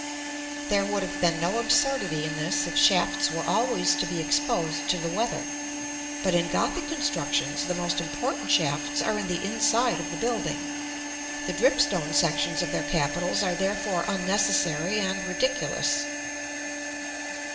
There would have been no absurdity in this if shafts were always to be exposed to the weather; but in Gothic constructions the most important shafts are in the inside of the building. The dripstone sections of their capitals are therefore unnecessary and ridiculous.